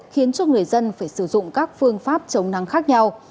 khiến cho người dân phải sử dụng các phương pháp chống nắng khác nhau